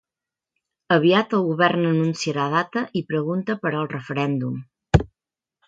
Aviat el govern anunciarà data i pregunta per al referèndum.